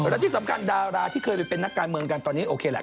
และที่สำคัญดาราที่เคยไปเป็นนักการเมืองกันตอนนี้โอเคแหละ